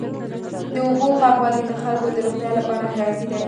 د اوبو پاکوالی د خلکو د روغتیا لپاره حیاتي دی.